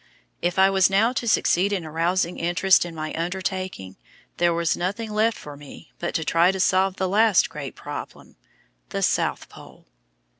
If I was now to succeed in arousing interest in my undertaking, there was nothing left for me but to try to solve the last great problem the South Pole.